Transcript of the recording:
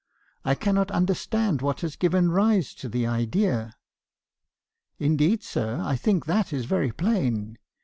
I cannot understand what has given rise to the idea.' " 'Indeed, sir; I think that is very plain.